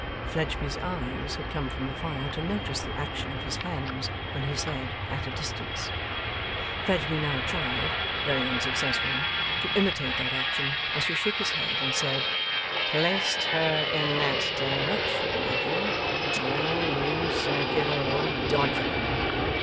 Fledgeby's eyes had come from the fire to notice the action of his hands when he said 'at a distance.' Fledgeby now tried (very unsuccessfully) to imitate that action, as he shook his head and said, 'Placed her in that direction, did you? Oh you circular old dodger!